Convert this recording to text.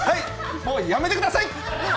もうやめてください。